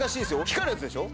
光るやつでしょ？